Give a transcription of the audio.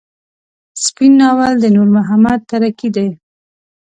سپين ناول د نور محمد تره کي دی.